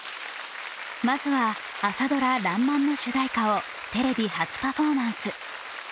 まずは朝ドラ「らんまん」の主題歌をテレビ初パフォーマンス。